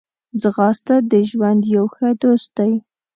ځغاسته د ژوند یو ښه دوست دی